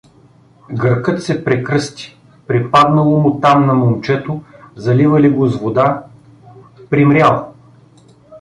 (Гъркът се прекръсти…) Припаднало му там на момчето, заливали го с вода — примрял!